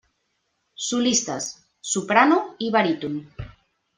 Solistes: soprano i baríton.